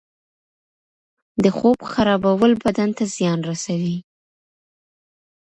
د خوب خرابول بدن ته زیان رسوي.